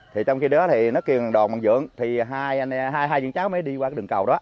thì trong khi đó thì nó kêu đoàn bằng dưỡng thì hai dân cháu mới đi qua đường cầu đó